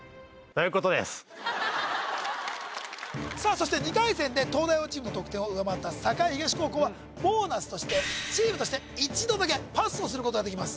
そして２回戦で東大王チームの得点を上回った栄東高校はボーナスとしてチームとして１度だけパスをすることができます